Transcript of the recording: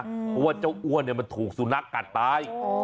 เพราะว่าเจ้าอ้วนมันถูกสุนัขกัดตาย